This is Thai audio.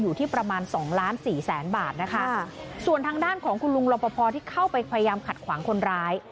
อยู่ที่ประมาณสองล้านสี่แสนบาทนะคะส่วนทางด้านของคุณลุงรอปภที่เข้าไปพยายามขัดขวางคนร้าย